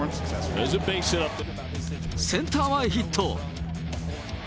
センター前ヒット。